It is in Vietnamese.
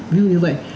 ví dụ như vậy